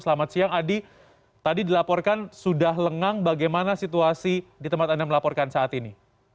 selamat siang adi tadi dilaporkan sudah lengang bagaimana situasi di tempat anda melaporkan saat ini